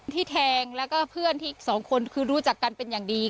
แทงแล้วก็เพื่อนที่สองคนคือรู้จักกันเป็นอย่างดี